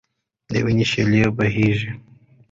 د وینو شېلې بهېږي.